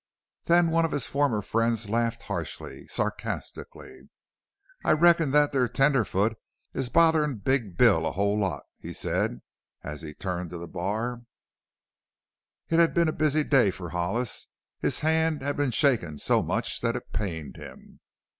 Then one of his former friends laughed harshly sarcastically. "I reckon that there tenderfoot is botherin' Big Bill a whole lot," he said as he turned to the bar. It had been a busy day for Hollis. His hand had been shaken so much that it pained him.